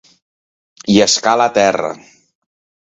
Llescar la terra.